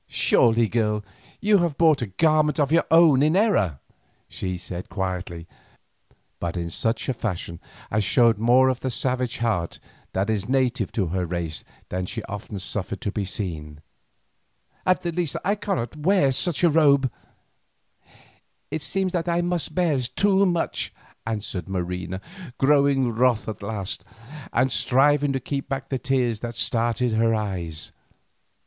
"Surely, girl, you have brought a garment of your own in error," she said quietly, but in such a fashion as showed more of the savage heart that is native to her race than she often suffered to be seen; "at the least I cannot wear such robes." "It seems that I must bear too much," answered Marina, growing wroth at last, and striving to keep back the tears that started to her eyes.